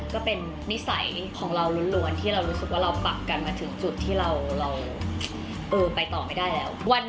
ก็เป็นนิสัยของเราล้วนที่เรารู้สึกว่าเราปักกันมาถึงจุดที่เราไปต่อไม่ได้แล้ว